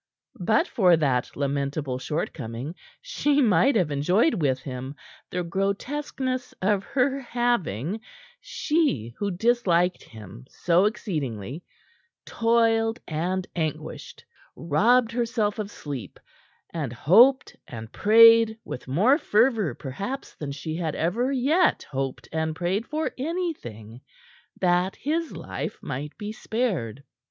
But for that lamentable shortcoming, she might have enjoyed with him the grotesqueness of her having she, who disliked him so exceedingly toiled and anguished, robbed herself of sleep, and hoped and prayed with more fervor, perhaps, than she had ever yet hoped and prayed for anything, that his life might be spared.